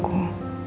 aku tidak mau